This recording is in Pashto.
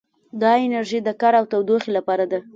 دا انرژي د کار او تودوخې لپاره ده.